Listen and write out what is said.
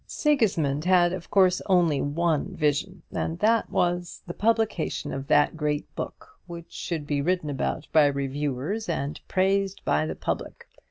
Sigismund had, of course, only one vision, and that was the publication of that great book, which should be written about by the reviewers and praised by the public.